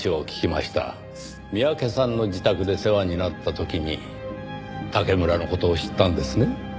三宅さんの自宅で世話になった時に竹村の事を知ったんですね？